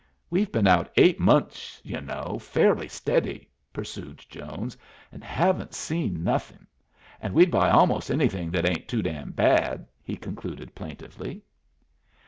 "We've been out eight months, y'u know, fairly steady," pursued Jones, "and haven't seen nothing; and we'd buy most anything that ain't too damn bad," he concluded, plaintively.